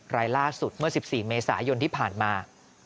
รายล่าสุดเมื่อ๑๔เมษายนที่ผ่านมา